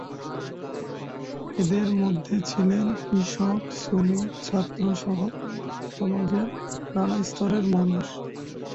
এদের মধ্যে ছিলেন কৃষক, শ্রমিক, ছাত্র সহ সমাজের নানা স্তরের মানুষ।